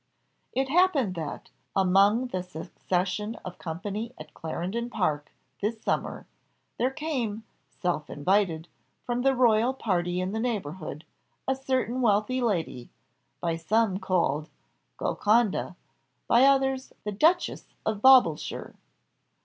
It happened that, among the succession of company at Clarendon Park this summer, there came, self invited, from the royal party in the neighbourhood, a certain wealthy lady, by some called "Golconda," by others "the Duchess of Baubleshire."